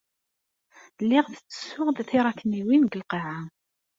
Lliɣ ttessuɣ-d tiṛakniwin deg lqaɛa.